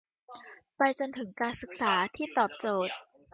ไปจนถึงการศึกษาที่ตอบโจทย์